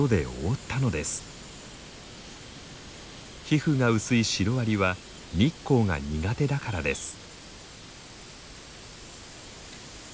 皮膚が薄いシロアリは日光が苦手だからです。